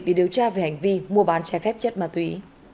để điều tra về hành vi mua bán trái phép chất ma túy